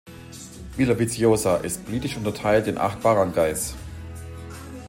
Villaviciosa ist politisch unterteilt in acht Baranggays.